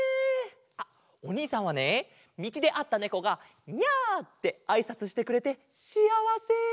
あっおにいさんはねみちであったネコが「ニャ」ってあいさつしてくれてシアワセ！